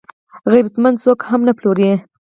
غیرتمند څوک هم نه پلوري